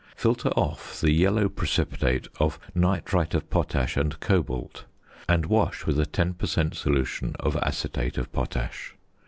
Filter off the yellow precipitate of nitrite of potash and cobalt, and wash with a 10 per cent. solution of acetate of potash.